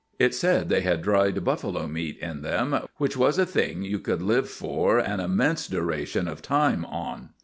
It said they had dried buffalo meat in them, which was a thing you could live for an immense duration of time on.